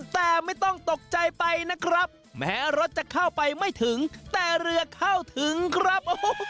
แต่ไม่ต้องตกใจไปนะครับแม้รถจะเข้าไปไม่ถึงแต่เรือเข้าถึงครับ